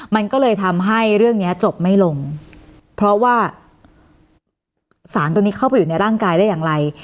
มันก็เลยทำให้เรื่องนี้จบไม่ลงเพราะว่าสารตัวนี้เข้าไปอยู่ในร่างกายได้อย่างไร